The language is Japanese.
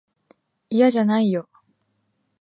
いやじゃないよ。